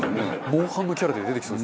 『モンハン』のキャラで出てきそう。